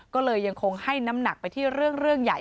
ก็เลยยังคงให้น้ำหนักไปที่เรื่องใหญ่